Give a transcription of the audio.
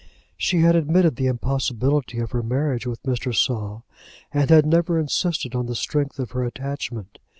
She had admitted the impossibility of her marriage with Mr. Saul, and had never insisted on the strength of her attachment.